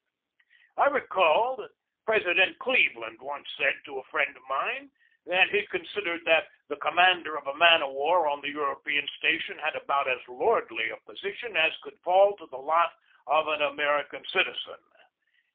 I recall that President Cleveland once said to a friend of mine that he considered that the commander of a man of war on the European station had about as lordly a position as could fall to the lot of an American citizen.